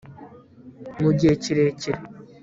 mu gihe kirekire